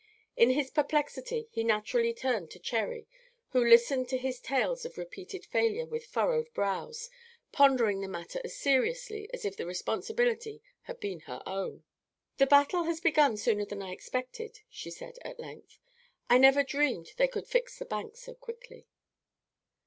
In his perplexity he turned naturally to Cherry, who listened to his tale of repeated failure with furrowed brows, pondering the matter as seriously as if the responsibility had been her own. "The battle has begun sooner than I expected," she said, at length. "I never dreamed they could fix the banks so quickly."